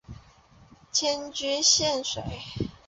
迁居蕲水。